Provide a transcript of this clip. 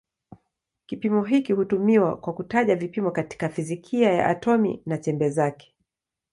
Kipimo hiki hutumiwa kwa kutaja vipimo katika fizikia ya atomi na chembe zake.